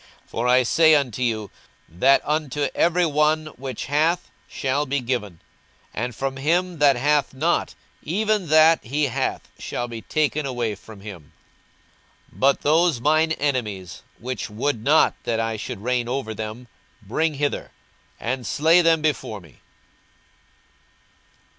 42:019:026 For I say unto you, That unto every one which hath shall be given; and from him that hath not, even that he hath shall be taken away from him. 42:019:027 But those mine enemies, which would not that I should reign over them, bring hither, and slay them before me.